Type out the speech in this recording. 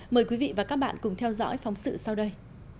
mời quý vị và các bạn cùng theo dõi phóng sự sau đây